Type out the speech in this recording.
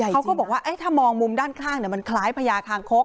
เขาก็บอกว่าถ้ามองมุมด้านข้างมันคล้ายพญาคางคก